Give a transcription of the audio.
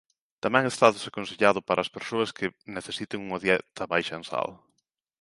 Tamén está desaconsellado para as persoas que necesiten unha dieta baixa en sal.